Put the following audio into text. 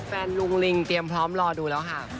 ลุงลิงเตรียมพร้อมรอดูแล้วค่ะ